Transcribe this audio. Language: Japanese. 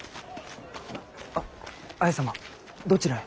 あ綾様どちらへ？